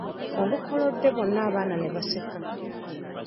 Olukolodde bonna abaana ne baseka.